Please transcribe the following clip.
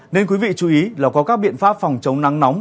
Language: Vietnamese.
nên quý vị chú ý là có các biện pháp phòng chống nắng nóng